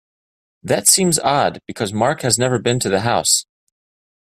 That seems odd because Mark has never been to the house.